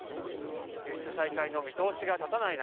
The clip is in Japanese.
輸出再開の見通しが立たない